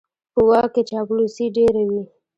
په واک کې چاپلوسي ډېره وي.